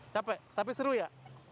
capek tapi seru ya